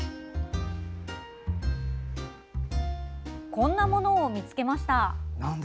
こんなものを見つけました。